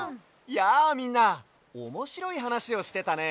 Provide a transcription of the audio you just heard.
やあみんなおもしろいはなしをしてたね。